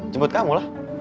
jebut kamu lah